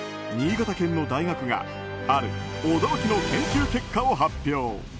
新潟県の大学がある驚きの研究結果を発表。